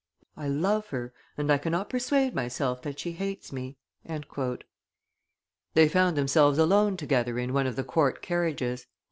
I love her, and I cannot persuade myself that she hates me." They found themselves alone together in one of the court carriages.